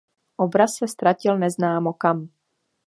Obraz se ztratil neznámo kam.